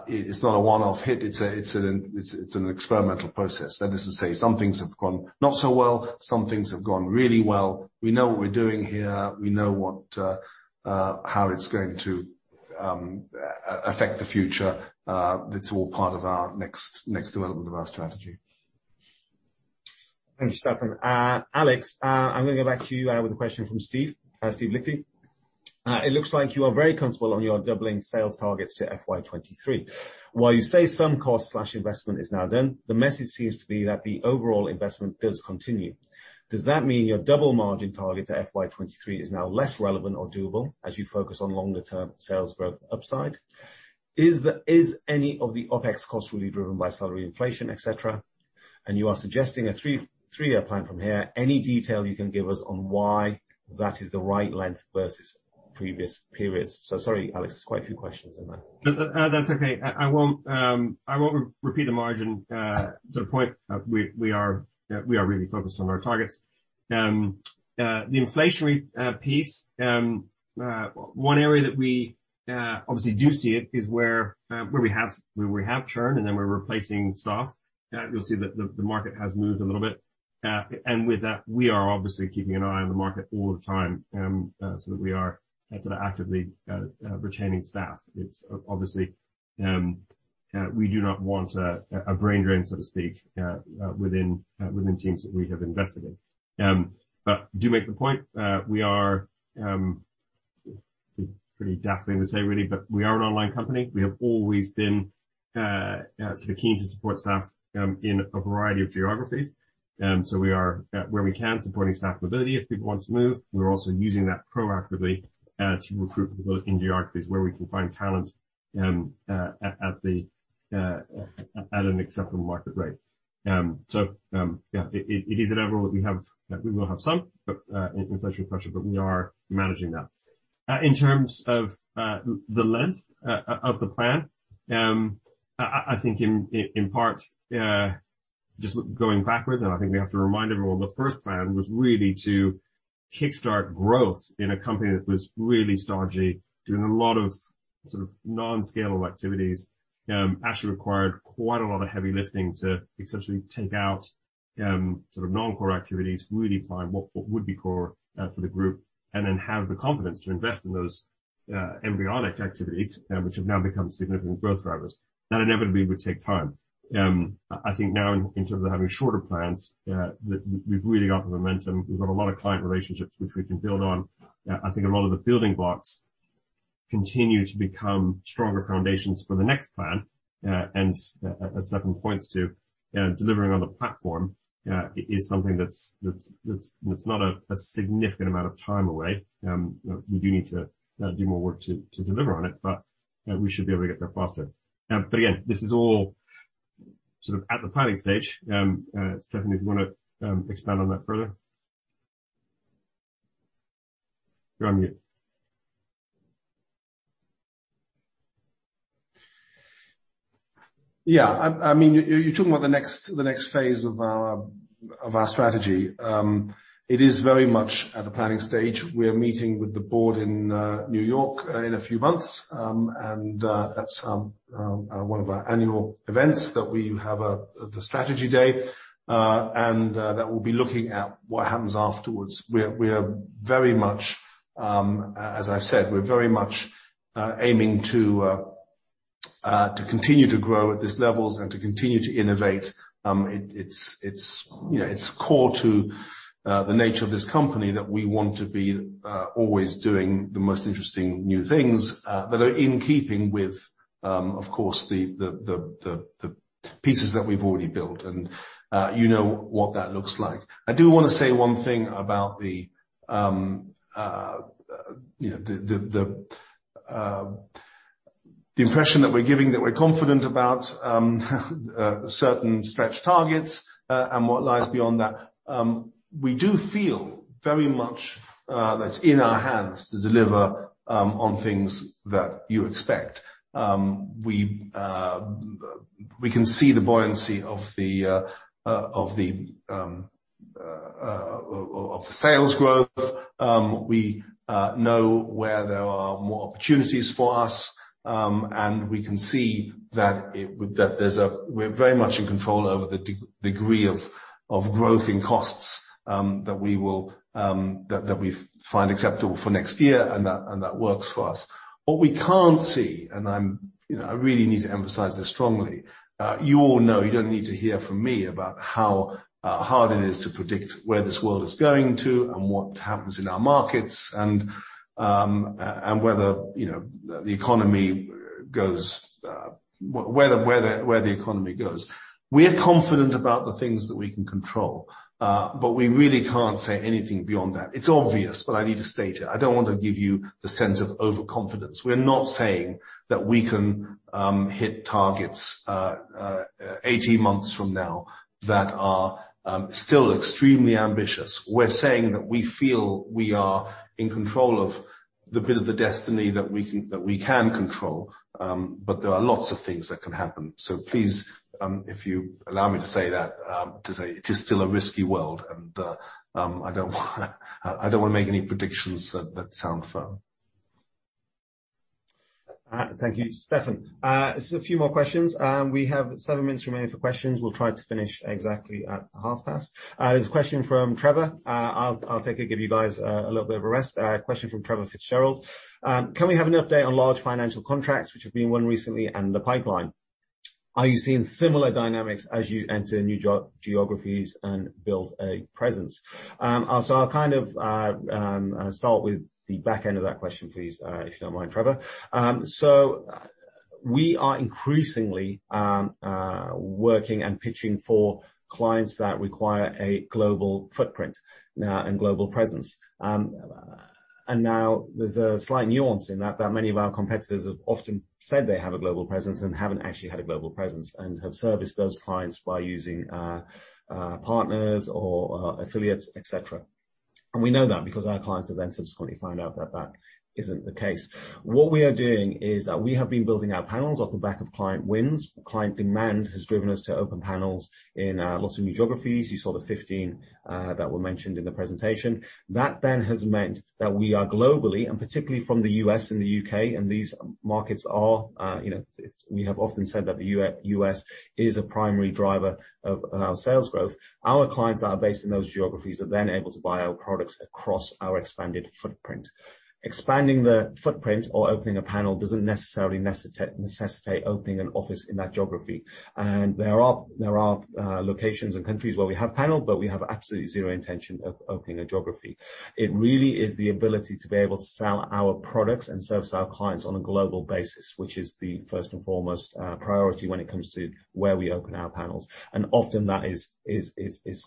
A: it's not a one-off hit. It's an experimental process. That is to say, some things have gone not so well, some things have gone really well. We know what we're doing here. We know how it's going to affect the future. That's all part of our next development of our strategy.
C: Thank you, Stephan. Alex, I'm gonna go back to you with a question from Steve Liechti. It looks like you are very comfortable on your doubling sales targets to FY 2023. While you say some cost/investment is now done, the message seems to be that the overall investment does continue. Does that mean your double margin target to FY 2023 is now less relevant or doable as you focus on longer term sales growth upside? Is any of the OpEx cost really driven by salary inflation, et cetera? You are suggesting a three-year plan from here. Any detail you can give us on why that is the right length versus previous periods? Sorry, Alex, there's quite a few questions in there.
B: No, that's okay. I won't repeat the margin. The point is we are really focused on our targets. The inflationary piece, one area that we obviously do see it is where we have churn, and then we're replacing staff. You'll see that the market has moved a little bit. With that, we are obviously keeping an eye on the market all the time, so that we are sort of actively retaining staff. It's obvious we do not want a brain drain, so to speak, within teams that we have invested in. You make the point. It's a pretty daft thing to say really, but we are an online company. We have always been sort of keen to support staff in a variety of geographies. We are supporting staff mobility where we can if people want to move. We're also using that proactively to recruit people in geographies where we can find talent at an acceptable market rate. It is inevitable that we will have some inflation pressure, but we are managing that. In terms of the length of the plan, I think in part just going backwards, I think we have to remind everyone the first plan was really to kickstart growth in a company that was really starchy, doing a lot of sort of non-scalable activities. Actually required quite a lot of heavy lifting to essentially take out, sort of non-core activities, really find what would be core, for the group, and then have the confidence to invest in those, embryonic activities, which have now become significant growth drivers. That inevitably would take time. I think now in terms of having shorter plans, that we've really got the momentum. We've got a lot of client relationships which we can build on. I think a lot of the building blocks continue to become stronger foundations for the next plan. As Stephan points to, delivering on the platform is something that's not a significant amount of time away. We do need to do more work to deliver on it, but we should be able to get there faster. Again, this is all sort of at the planning stage. Stephan, if you wanna expand on that further. You're on mute.
A: Yeah. I mean, you’re talking about the next phase of our strategy. It is very much at the planning stage. We are meeting with the board in New York in a few months. At one of our annual events, the strategy day, that we’ll be looking at what happens afterwards. We are very much, as I've said, we're very much aiming to continue to grow at these levels and to continue to innovate. It's, you know, core to the nature of this company that we want to be always doing the most interesting new things that are in keeping with, of course, the pieces that we've already built, and you know what that looks like. I do wanna say one thing about, you know, the impression that we're giving that we're confident about certain stretch targets and what lies beyond that. We do feel very much that it's in our hands to deliver on things that you expect. We can see the buoyancy of the sales growth. We know where there are more opportunities for us, and we can see that. With that, we're very much in control over the degree of growth in costs that we find acceptable for next year, and that works for us. What we can't see, and I'm, you know, I really need to emphasize this strongly. You all know, you don't need to hear from me about how hard it is to predict where this world is going and what happens in our markets and whether, you know, the economy goes where the economy goes. We are confident about the things that we can control, but we really can't say anything beyond that. It's obvious, but I need to state it. I don't want to give you the sense of overconfidence. We're not saying that we can hit targets 18 months from now that are still extremely ambitious. We're saying that we feel we are in control of the bit of the destiny that we can control, but there are lots of things that can happen. Please, if you allow me to say that, to say it is still a risky world and I don't wanna make any predictions that sound firm.
C: Thank you, Stephan. Just a few more questions. We have seven minutes remaining for questions. We'll try to finish exactly at half past. There's a question from Trevor. I'll take it, give you guys a little bit of a rest. Question from Trevor Fitzgerald. Can we have an update on large financial contracts which have been won recently and the pipeline? Are you seeing similar dynamics as you enter new geographies and build a presence? I'll kind of start with the back end of that question, please, if you don't mind, Trevor. We are increasingly working and pitching for clients that require a global footprint now and global presence. Now there's a slight nuance in that that many of our competitors have often said they have a global presence and haven't actually had a global presence and have serviced those clients by using partners or affiliates, et cetera. We know that because our clients have then subsequently found out that that isn't the case. What we are doing is that we have been building our panels off the back of client wins. Client demand has driven us to open panels in lots of new geographies. You saw the 15 that were mentioned in the presentation. That then has meant that we are global, and particularly from the U.S. and the U.K., and these markets are, you know, we have often said that the U.S. is a primary driver of our sales growth. Our clients that are based in those geographies are then able to buy our products across our expanded footprint. Expanding the footprint or opening a panel doesn't necessarily necessitate opening an office in that geography. There are locations and countries where we have paneled, but we have absolutely zero intention of opening a geography. It really is the ability to be able to sell our products and service our clients on a global basis, which is the first and foremost priority when it comes to where we open our panels. Often that is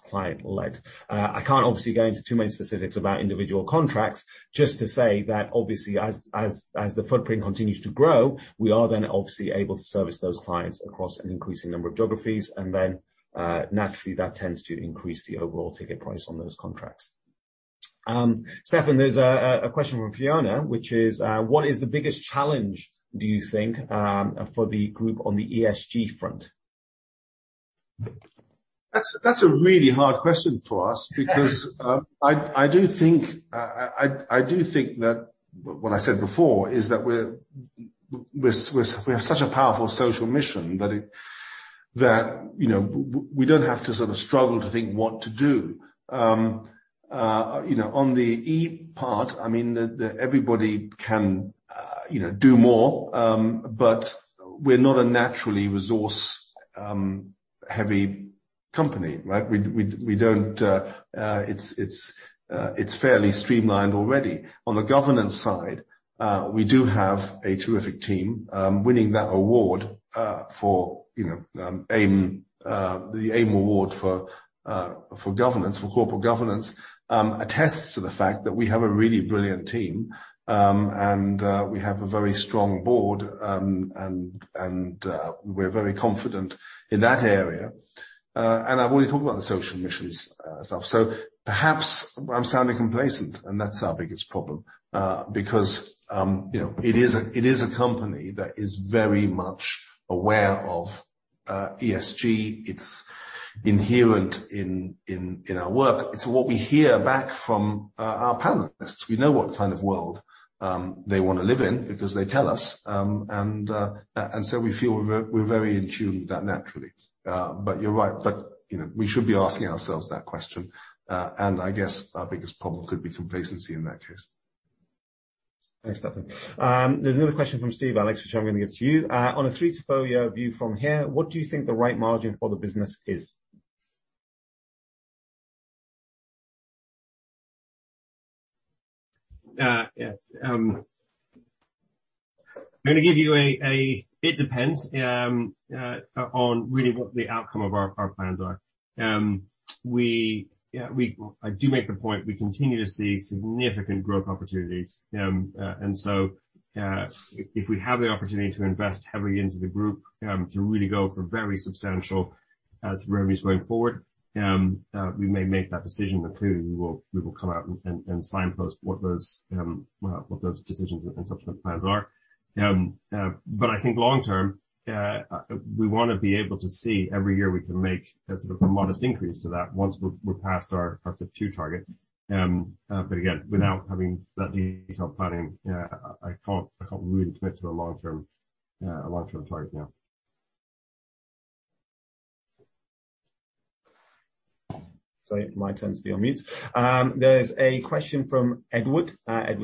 C: client-led. I can't obviously go into too many specifics about individual contracts, just to say that obviously as the footprint continues to grow, we are then obviously able to service those clients across an increasing number of geographies, and then, naturally, that tends to increase the overall ticket price on those contracts. Stephan, there's a question from Fiona, which is, what is the biggest challenge, do you think, for the group on the ESG front?
A: That's a really hard question for us because I do think that what I said before is that we have such a powerful social mission. You know, we don't have to sort of struggle to think what to do. You know, on the E part, I mean, everybody can, you know, do more, but we're not a natural resource-heavy company, right? It's fairly streamlined already. On the governance side, we do have a terrific team winning that award, you know, for AIM, the AIM Corporate Governance Award, attests to the fact that we have a really brilliant team, and we have a very strong board, and we're very confident in that area. I've already talked about the social missions stuff. Perhaps I'm sounding complacent, and that's our biggest problem, because, you know, it is a company that is very much aware of ESG. It's inherent in our work. It's what we hear back from our panelists. We know what kind of world they wanna live in because they tell us. We feel we're very in tune with that naturally. You're right. You know, we should be asking ourselves that question. I guess our biggest problem could be complacency in that case.
C: Thanks, Stephan. There's another question from Steve, Alex, which I'm gonna give to you. On a three to four-year view from here, what do you think the right margin for the business is?
B: I'm gonna give you it depends on really what the outcome of our plans are. I do make the point, we continue to see significant growth opportunities. If we have the opportunity to invest heavily into the group, to really go for very substantial SaaS revenues going forward, we may make that decision, but clearly we will come out and signpost what those decisions and subsequent plans are. I think long term, we wanna be able to see every year we can make a sort of a modest increase to that once we're past our FYP2 target. Again, without having that detailed planning, I can't really commit to a long-term target now.
C: Sorry, mic tends to be on mute. There's a question from Edward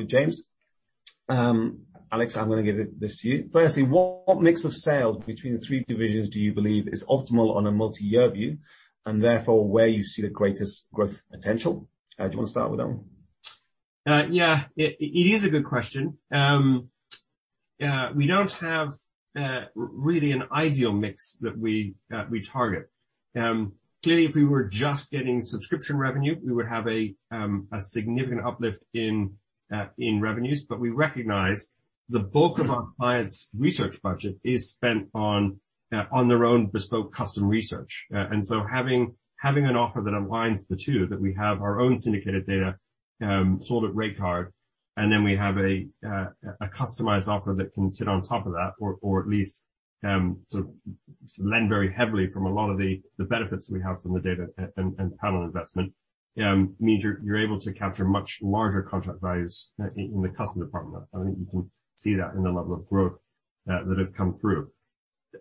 C: James. Alex, I'm gonna give this to you. Firstly, what mix of sales between the three divisions do you believe is optimal on a multi-year view, and therefore where you see the greatest growth potential? Ed, you wanna start with that one?
B: Yeah. It is a good question. We don't have really an ideal mix that we target. Clearly, if we were just getting subscription revenue, we would have a significant uplift in revenues. We recognize the bulk of our clients' research budget is spent on their own bespoke custom research. Having an offer that aligns the two, that we have our own syndicated data sold at rate card, and then we have a customized offer that can sit on top of that, or at least sort of lend very heavily from a lot of the benefits we have from the data and panel investment, means you're able to capture much larger contract values in the custom department. I think you can see that in the level of growth that has come through.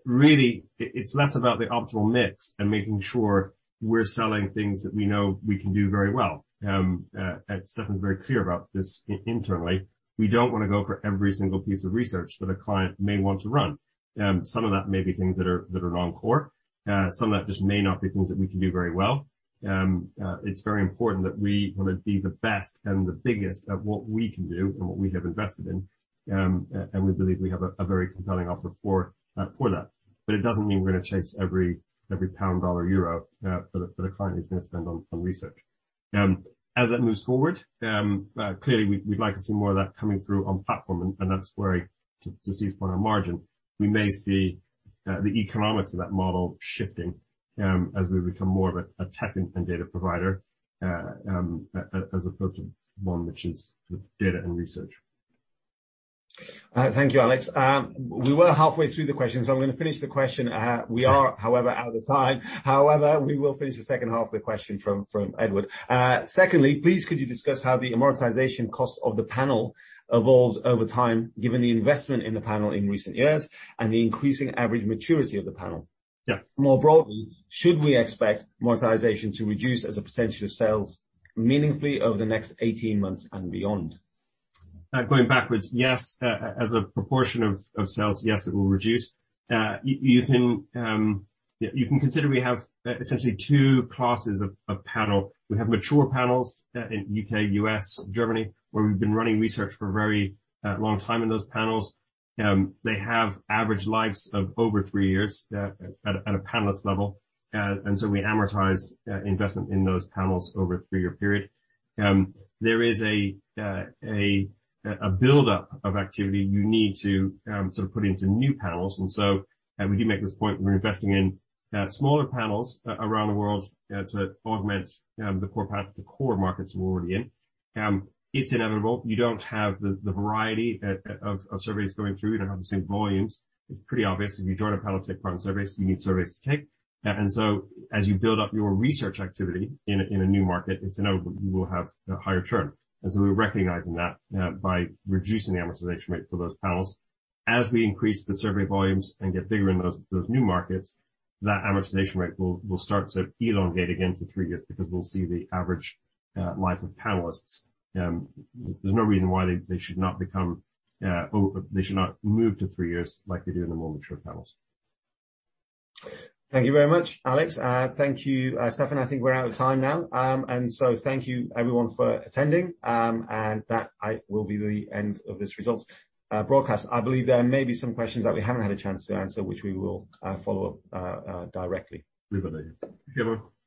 B: Really, it's less about the optimal mix and making sure we're selling things that we know we can do very well. Stephan's very clear about this internally. We don't wanna go for every single piece of research that a client may want to run. Some of that may be things that are non-core. Some of that just may not be things that we can do very well. It's very important that we wanna be the best and the biggest at what we can do and what we have invested in, and we believe we have a very compelling offer for that. It doesn't mean we're gonna chase every pound, dollar, euro that the client is gonna spend on research. As that moves forward, clearly we'd like to see more of that coming through on platform, and that's where, to see it from a margin, we may see the economics of that model shifting, as we become more of a tech and data provider, as opposed to one which is data and research.
C: Thank you, Alex. We were halfway through the question, so I'm gonna finish the question. We are, however, out of time. However, we will finish the second half of the question from Edward. Secondly, please could you discuss how the amortization cost of the panel evolves over time, given the investment in the panel in recent years and the increasing average maturity of the panel?
B: Yeah.
C: More broadly, should we expect amortization to reduce as a percentage of sales meaningfully over the next 18 months and beyond?
B: Going backwards, yes. As a proportion of sales, yes, it will reduce. You can consider we have essentially two classes of panel. We have mature panels in U.K., U.S., Germany, where we've been running research for a very long time in those panels. They have average lives of over three years at a panelist level. We amortize investment in those panels over a three-year period. There is a buildup of activity you need to sort of put into new panels. We do make this point, we're investing in smaller panels around the world to augment the core markets we're already in. It's inevitable. You don't have the variety of surveys going through. You don't have the same volumes. It's pretty obvious if you join a panel to take part in surveys, you need surveys to take. As you build up your research activity in a new market, it's inevitable you will have a higher churn. We're recognizing that by reducing the amortization rate for those panels. As we increase the survey volumes and get bigger in those new markets, that amortization rate will start to elongate again to three years because we'll see the average life of panelists. There's no reason why they should not become or they should not move to three years like they do in the more mature panels.
C: Thank you very much, Alex. Thank you, Stephan. I think we're out of time now. Thank you everyone for attending. That will be the end of this results broadcast. I believe there may be some questions that we haven't had a chance to answer, which we will follow up directly.
B: We will do.
A: Thank you, everyone.